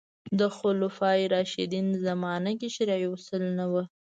د خلفای راشدین زمانه کې شرعي اصل نه و